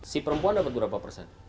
si perempuan dapat berapa persen